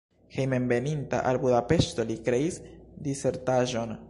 Hejmenveninta al Budapeŝto li kreis disertaĵon.